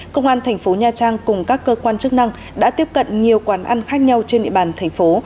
công an thành phố nha trang cùng các cơ quan chức năng đã tiếp cận nhiều quán ăn khác nhau trên địa bàn thành phố